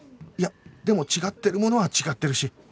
いやでも違ってるものは違ってるし